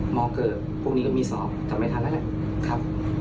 มเกิบพวกนี้ก็มีสอบถ้าไม่ทันแล้วแหละ